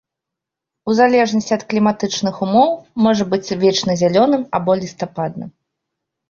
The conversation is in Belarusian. У залежнасці ад кліматычных умоў можа быць вечназялёным або лістападным.